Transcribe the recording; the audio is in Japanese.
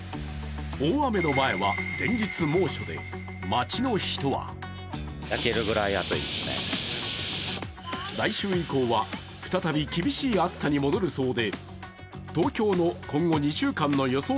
大雨の前は連日猛暑で、街の人は来週以降は再び厳しい暑さに戻るそうで東京の今後２週間の予想